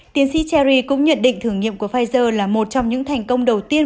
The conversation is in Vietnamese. tiến sĩ cherry cũng nhận định thử nghiệm của pfizer là một trong những thành công đầu tiên